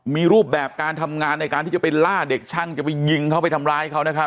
มีรูปแบบการทำงานในการที่จะไปล่าเด็กช่างจะไปยิงเขาไปทำร้ายเขานะครับ